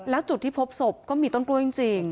แล้วจุดที่พบศพก็มีต้นกล้วยจริง